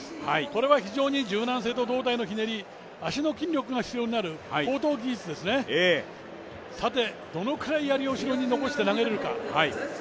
これは非常に柔軟性と胴体のひねり、足の筋肉が必要になる高等技術ですね、さて、どのくらいやりを後ろに残して投げれるか。